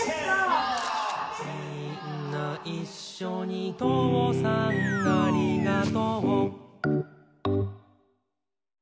「みーんないっしょにとうさんありがとう」